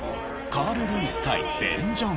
カール・ルイス対ベン・ジョンソン。